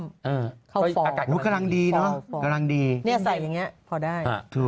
อากาศกำลังดีเนี่ยใส่อย่างนี้พอได้